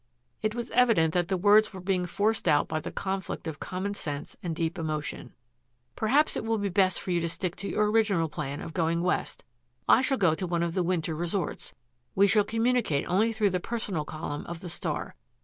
It was evident that the words were being forced out by the conflict of common sense and deep emotion. "Perhaps it will be best for you to stick to your original idea of going west. I shall go to one of the winter resorts. We shall communicate only through the personal column of the Star.